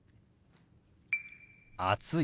「暑い」。